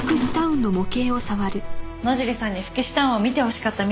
野尻さんに福祉タウンを見てほしかったみたいです。